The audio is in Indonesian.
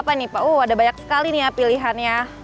apa nih pak oh ada banyak sekali nih ya pilihannya